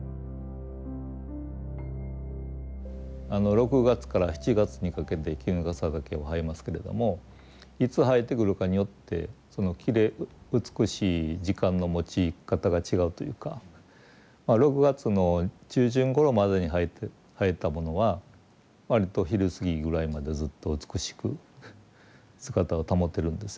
６月から７月にかけてキヌガサダケは生えますけれどもいつ生えてくるかによってその美しい時間のもち方が違うというかまあ６月の中旬ごろまでに生えたものは割と昼過ぎぐらいまでずっと美しく姿を保てるんですよね。